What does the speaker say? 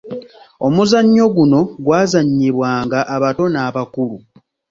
Omuzannyo guno gwazannyibwanga abato n’abakulu.